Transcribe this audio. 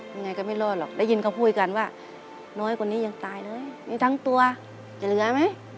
ยังไงก็ไม่รอดหรอกได้ยินเขาคุยกันว่าน้อยคนนี้ยังตายเลยมีทั้งตัวจะเหลือไหม